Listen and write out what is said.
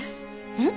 うん？